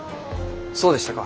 そうでしたか。